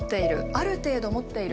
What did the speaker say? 「ある程度持っている」